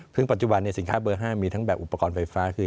ซึ่งปัจจุบันสินค้าเบอร์๕มีทั้งแบบอุปกรณ์ไฟฟ้าคือ